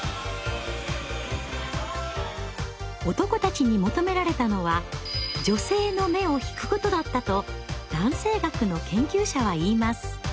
男たちに求められたのは女性の目を引くことだったと男性学の研究者は言います。